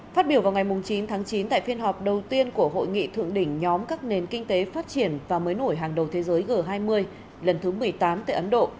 phát biểu vào ngày chín tháng chín tại phiên họp đầu tiên của hội nghị thượng đỉnh nhóm các nền kinh tế phát triển và mới nổi hàng đầu thế giới g hai mươi lần thứ một mươi tám tại ấn độ